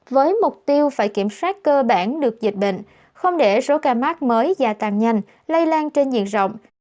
với mục tiêu phải kiểm soát cơ bản được dịch bệnh không để số ca mắc mới gia tăng nhanh lây lan trên diện rộng